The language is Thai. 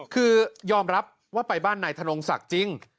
คือยอมรับว่าไปบ้านนายธนงศักดิ์จริง